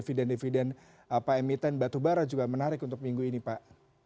eviden dividen emiten batubara juga menarik untuk minggu ini pak